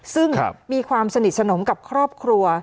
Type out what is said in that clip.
ซึ่งมีความสนิทสนมกับครอบครัว